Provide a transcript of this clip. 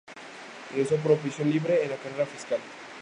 Ingresó por oposición libre en la carrera fiscal.